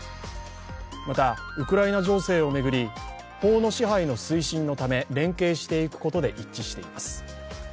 またウクライナ情勢を巡り法の支配の推進のため連携していくことで一致しています。